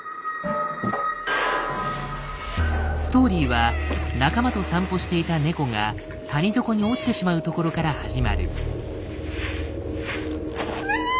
ストーリーは仲間と散歩していた猫が谷底に落ちてしまうところから始まる。